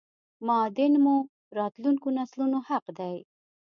معادن مو راتلونکو نسلونو حق دی